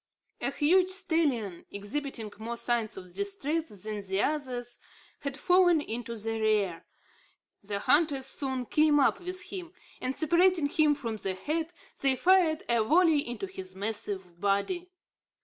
A huge stallion, exhibiting more signs of distress than the others, had fallen into the rear. The hunters soon came up with him; and, separating him from the herd, they fired a volley into his massive body.